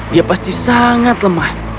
dia pasti sangat lemah